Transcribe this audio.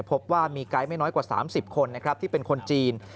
พบว่ามีไกด์ไม่น้อยกว่า๓๐คนนะครับที่เป็นคนจีน